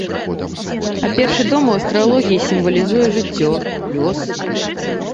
А першы дом у астралогіі сімвалізуе жыццё, лёс.